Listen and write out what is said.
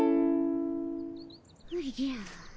おじゃ。